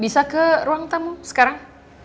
bisa ke ruang tamu sekarang